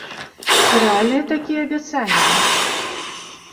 Ці рэальныя такія абяцанні?